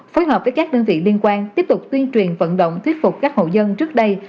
phối hợp với các đơn vị liên quan tiếp tục tuyên truyền vận động thuyết phục các hậu dân trước đây